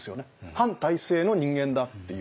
反体制の人間だっていう。